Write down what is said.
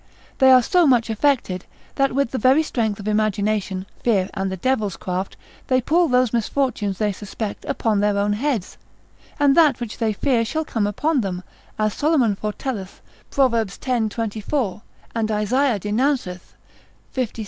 They are so much affected, that with the very strength of imagination, fear, and the devil's craft, they pull those misfortunes they suspect, upon their own heads, and that which they fear, shall come upon them, as Solomon fortelleth, Prov. x. 24. and Isaiah denounceth, lxvi.